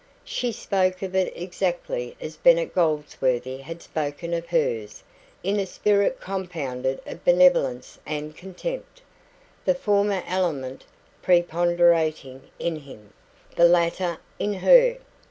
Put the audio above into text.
She spoke of it exactly as Bennet Goldsworthy had spoken of hers in a spirit compounded of benevolence and contempt, the former element preponderating in him, the latter in her.